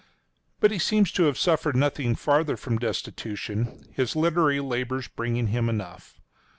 But he seems to have suffered nothing farther from destitution, his literary labors bringing him enough.